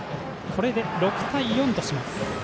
これで６対４とします。